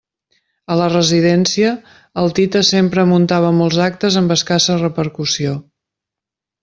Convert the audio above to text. A la residència, el Tites sempre muntava molts actes amb escassa repercussió.